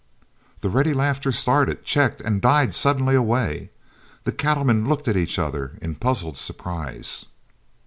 The ready laughter started, checked, and died suddenly away. The cattlemen looked at each other in puzzled surprise.